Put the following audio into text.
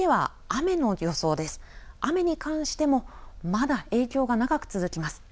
雨に関してもまだ影響が長く続きます。